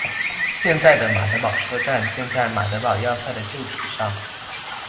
现在的马德堡车站建在马德堡要塞的旧址上。